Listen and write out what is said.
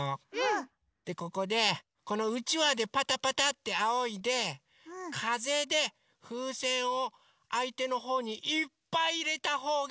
ここでこのうちわでパタパタってあおいでかぜでふうせんをあいてのほうにいっぱいいれたほうがかちです！